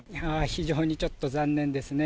非常にちょっと残念ですね。